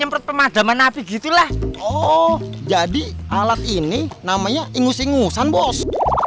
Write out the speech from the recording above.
semprot pemadaman api gitulah oh jadi alat ini namanya ingus ingusan bos